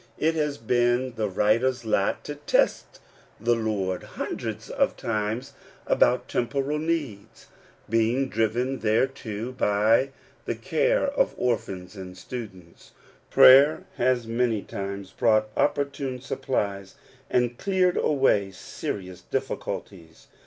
It has been the writer's lot to test the Lord hundreds of times about temporal needs, being driven thereto by the care of orphans and students. Prayer has many, many times brought opportune supplies, and cleared a way serious difficulties.